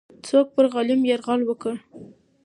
څوک پر غلیم یرغل وکړ؟